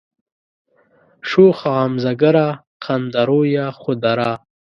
شوخه غمزه گره، خنده رویه، خود آرا